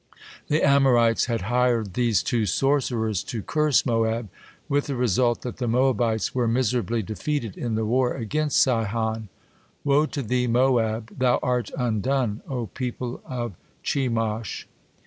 The Amorites had hired these two sorcerers to curse Moab, with the result that the Moabites were miserably defeated in the war against Sihon. "Woe to thee, Moab! Thou art undone, O people of Chemosh!"